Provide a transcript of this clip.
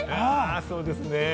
そうですね。